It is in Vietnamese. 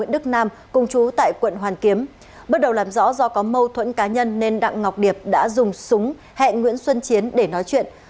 đức nam cùng chú tại quận hoàn kiếm bước đầu làm rõ do có mâu thuẫn cá nhân nên đặng ngọc điệp đã dùng súng hẹn nguyễn xuân chiến để nói chuyện